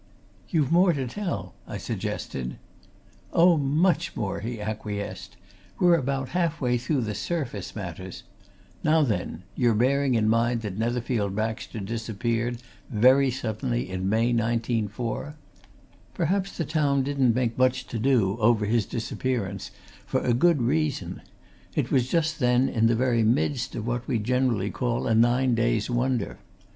"You've more to tell," I suggested. "Oh, much more!" he acquiesced. "We're about half way through the surface matters. Now then you're bearing in mind that Netherfield Baxter disappeared, very suddenly, in May 1904. Perhaps the town didn't make much to do over his disappearance for a good reason it was just then in the very midst of what we generally call a nine days' wonder.